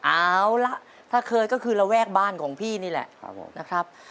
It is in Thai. เอาล่ะถ้าเคยก็คือระแวกบ้านของพี่นี่แหละนะครับ